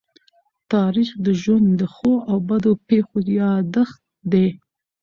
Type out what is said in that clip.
تاریخ د ژوند د ښو او بدو پېښو يادښت دی.